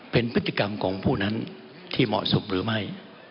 เป็นพฤติกรรมของผู้นั้นที่เหมาะสมหรือไม่